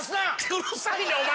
うるさいなお前！